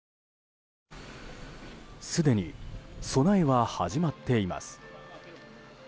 すでに備えは始まっています。